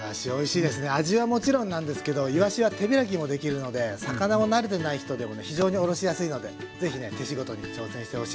味はもちろんなんですけどいわしは手開きもできるので魚に慣れてない人でもね非常におろしやすいのでぜひね手仕事に挑戦してほしいです。